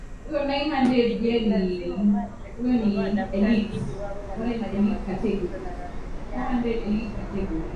Ilimlazimu Magreth kununua daftari ili wawe wanafanya mazungumzo na Rafiki yake